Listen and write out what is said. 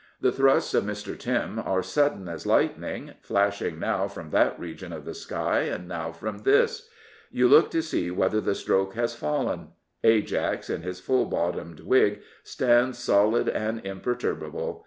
The thrusts of Mr. Tim " are sudden as lightning, flashing now from that region of the sky, now from this. You look to see whether the stroke has fallen. Ajax, in his full bottomed wig, stands solid and impei^yjfbable.